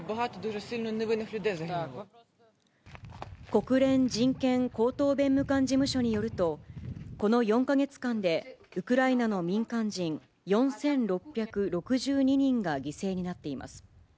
国連人権高等弁務官事務所によると、この４か月間でウクライナの民間人４６６２人が犠牲になっています。